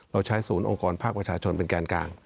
เราใช้ศูนย์องค์กรภาคประชาชนเป็นแกนกลาง